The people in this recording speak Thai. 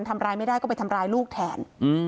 ทำร้ายไม่ได้ก็ไปทำร้ายลูกแทน